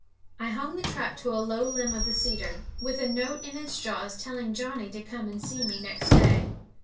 I hung the trap to a low limb of the cedar, with a note in its jaws telling Johnnie to come and see me next day.